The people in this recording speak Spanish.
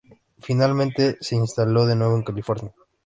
Finalmente, se instaló de nuevo en California.